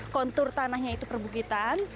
kontur tanahnya itu perbukitan